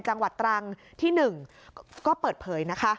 จังหวัดตรังที่๑ก็เปิดเผยนะคะ